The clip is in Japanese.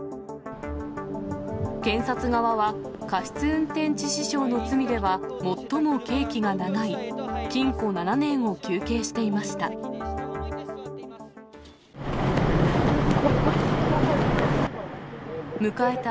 検察側は、過失運転致死傷の罪では最も刑期が長い、禁錮７年を求刑していました。